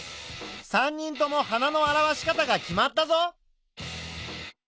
３人とも花の表し方が決まったぞ。